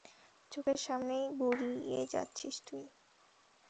চোখের সামনেই বুড়িয়ে যাচ্ছিস তুই।